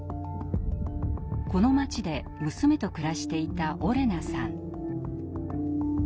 この街で娘と暮らしていたオレナさん。